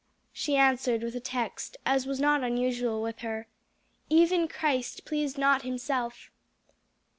She answered with a text, as was not unusual with her, "'Even Christ pleased not himself.'"